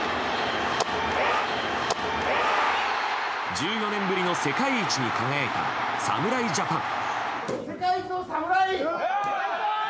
１４年ぶりの世界一に輝いた侍ジャパン。